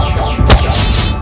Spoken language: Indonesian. mereka semua berpikir seperti itu